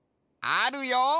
あるよ！